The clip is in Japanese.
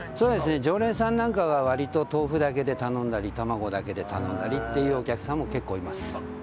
常連さんなんかは割と、豆腐だけで頼んだり卵だけで頼むお客さんは結構います。